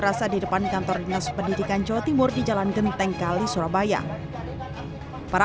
rasa di depan kantor dinas pendidikan jawa timur di jalan genteng kali surabaya para